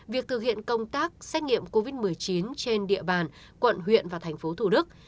việc thực hiện công tác xét nghiệm covid một mươi chín trên địa bàn quận huyện và thành phố thủ đức